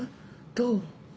どう？